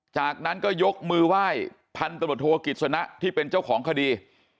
จากนั้นก็ยกมือไหว้พันธบทโทกิจสนะที่เป็นเจ้าของคดี